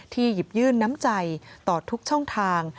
หยิบยื่นน้ำใจต่อทุกช่องทาง